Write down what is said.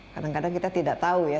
kadang kadang kita tidak tahu ya